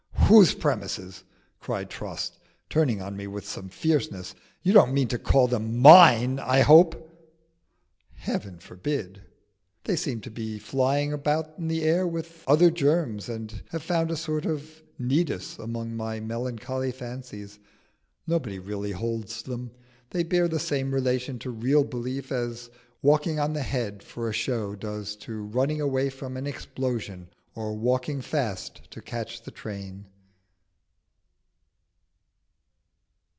"Whose premises?" cried Trost, turning on me with some fierceness. "You don't mean to call them mine, I hope." "Heaven forbid! They seem to be flying about in the air with other germs, and have found a sort of nidus among my melancholy fancies. Nobody really holds them. They bear the same relation to real belief as walking on the head for a show does to running away from an explosion or walking fast to catch the train."